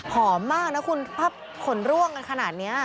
มากนะคุณภาพผลร่วงกันขนาดนี้